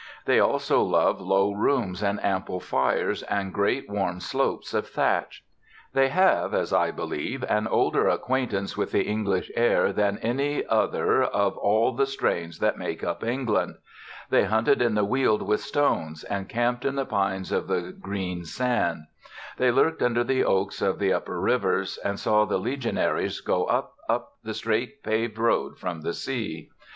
They also love low rooms and ample fires and great warm slopes of thatch. They have, as I believe, an older acquaintance with the English air than any other of all the strains that make up England. They hunted in the Weald with stones, and camped in the pines of the green sand. They lurked under the oaks of the upper rivers, and saw the legionaries go up, up the straight paved road from the sea.